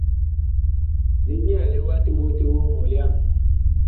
Li nyɛɛle wa toɓo toɓo mɔlyaŋ!